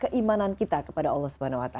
keimanan kita kepada allah swt